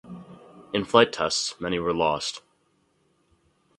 In flight tests many were lost.